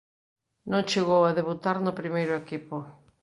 Non chegou a debutar no primeiro equipo.